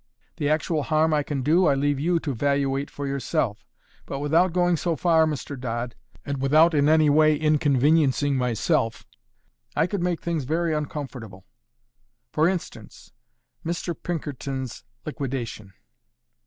The actual harm I can do, I leave you to valuate for yourself. But without going so far, Mr. Dodd, and without in any way inconveniencing myself, I could make things very uncomfortable. For instance, Mr. Pinkerton's liquidation.